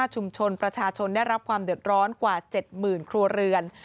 ชุมชนประชาชนได้รับความเดือดร้อนกว่า๗๐๐ครัวเรือน